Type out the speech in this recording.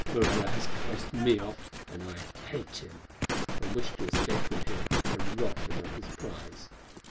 Morella has cast me off, and I hate him, and wish to escape from him and rob him of his prize.